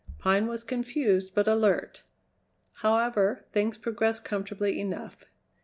Pine was confused but alert. However, things progressed comfortably enough.